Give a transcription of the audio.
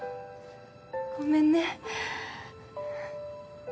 ごめんね。